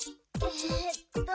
えっと。